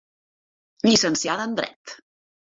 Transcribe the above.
Llicenciada en Dret.